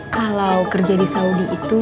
kalau kerja di saudi itu